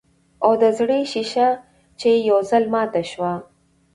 او د زړۀ شيشه چې ئې يو ځل ماته شوه